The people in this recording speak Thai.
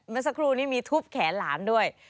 เมื่อสักครู่นี้มีทุบแขนหลานด้วย